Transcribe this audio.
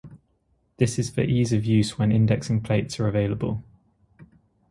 This is for ease of use when indexing plates are available.